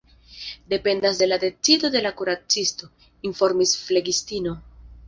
Dependas de la decido de la kuracisto, informis flegistino.